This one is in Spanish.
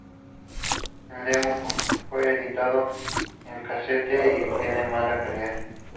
El Demo fue editado en casete y tiene mala calidad.